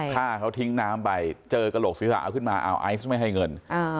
ฆ่าเขาทิ้งน้ำไปเจอกระโหลกศีรษะเอาขึ้นมาเอาไอซ์ไม่ให้เงิน